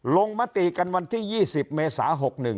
มติกันวันที่๒๐เมษา๖๑